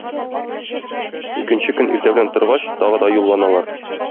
Икенче көн иртә белән торгач, тагы да юлланалар.